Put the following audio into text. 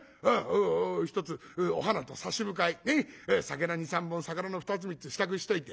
ひとつお花と差し向かい酒の２３本さかなの２つ３つ支度しといて